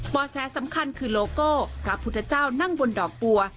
แสสำคัญคือโลโก้พระพุทธเจ้านั่งบนดอกบัว